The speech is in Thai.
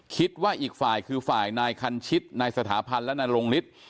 คิดว่าอีกฝ่ายคือฝ่ายนายคันชิตนายสถาพันธ์และนายรงฤทธิ์